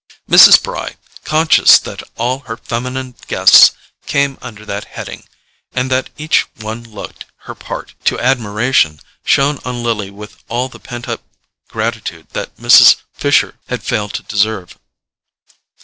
Mrs. Bry, conscious that all her feminine guests came under that heading, and that each one looked her part to admiration, shone on Lily with all the pent up gratitude that Mrs. Fisher had failed to deserve.